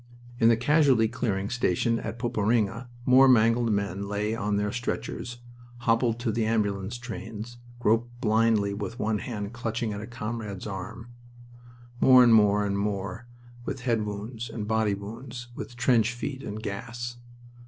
In the casualty clearing station by Poperinghe more mangled men lay on their stretchers, hobbled to the ambulance trains, groped blindly with one hand clutching at a comrade's arm. More, and more, and more, with head wounds, and body wounds, with trench feet, and gas.